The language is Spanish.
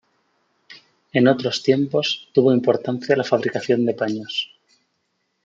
En otros tiempos tuvo importancia la fabricación de paños.